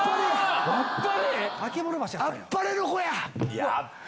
『あっぱれ』の子や。